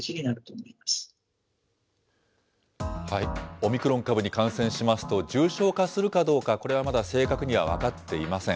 オミクロン株に感染しますと、重症化するかどうか、これはまだ正確には分かっていません。